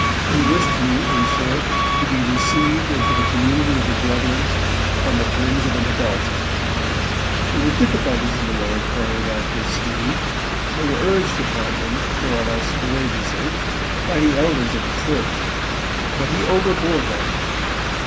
He wished me, in short, to be received into the community of the Brethren on the terms of an adult. There were difficulties in the way of carrying out this scheme, and they were urged upon him, more or less courageously, by the elders of the church. But he overbore them.